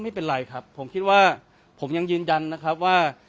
ไม่เป็นไรครับผมคิดว่าผมยังยืนยันนะครับว่า